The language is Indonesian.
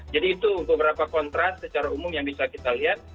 jadi itu beberapa kontras secara umum yang bisa kita lihat